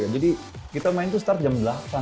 jadi kita main tuh start jam delapan